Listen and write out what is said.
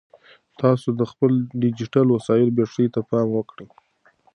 تاسو د خپلو ډیجیټل وسایلو بیټرۍ ته پام وکړئ.